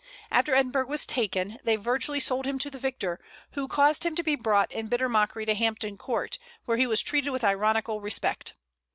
After Edinburgh was taken, they virtually sold him to the victor, who caused him to be brought in bitter mockery to Hampton Court, where he was treated with ironical respect.